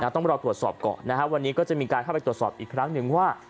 ต้องรอตรวจสอบก่อนนะครับวันนี้ก็จะมีการเข้าไปตรวจสอบอีกครั้งหนึ่งว่า